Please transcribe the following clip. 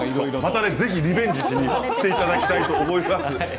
ぜひ、リベンジしに来ていただきたいと思います。